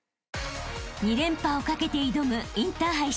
［２連覇を懸けて挑むインターハイ